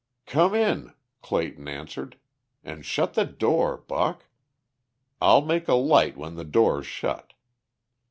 "Come in," Clayton answered. "An' shut the door, Buck. I'll make a light when the door's shut."